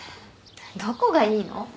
どこがいいの？